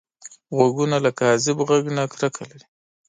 غوږونه له کاذب غږ نه کرکه لري